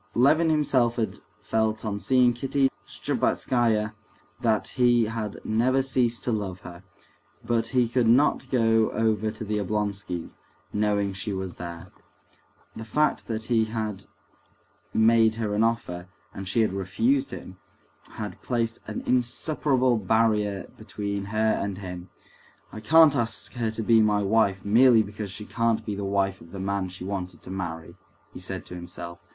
Levin himself had felt on seeing Kitty Shtcherbatskaya that he had never ceased to love her; but he could not go over to the Oblonskys', knowing she was there. The fact that he had made her an offer, and she had refused him, had placed an insuperable barrier between her and him. "I can't ask her to be my wife merely because she can't be the wife of the man she wanted to marry," he said to himself.